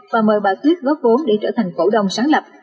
và mời bà tuyết góp vốn để trở thành cổ đông sáng lập